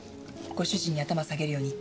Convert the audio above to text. ご主人に頭下げるように言ったの。